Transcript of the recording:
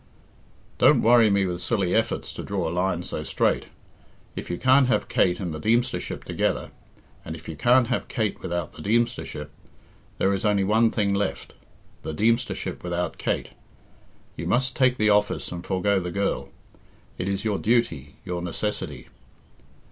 "Don't worry me with silly efforts to draw a line so straight. If you can't have Kate and the Deemstership together, and if you can't have Kate without the Deemstership, there is only one thing left the Deemstership without Kate. You must take the office and forego the girl. It is your duty, your necessity."